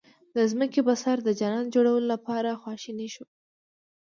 د ځمکې په سر د جنت جوړولو لپاره خواشني شو.